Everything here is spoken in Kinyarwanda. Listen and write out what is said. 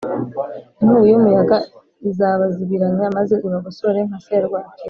Inkubi y’umuyaga izabazibiranya maze ibagosore nka serwakira;